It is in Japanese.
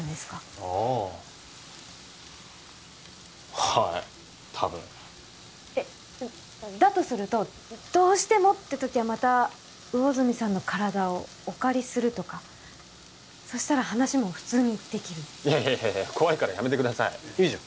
ああはいたぶんえっだとするとどうしてもって時はまた魚住さんの体をお借りするとかそしたら話も普通にできるいやいやいやいや怖いからやめてくださいいいじゃん